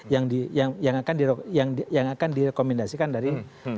yang akan direkomendasikan dari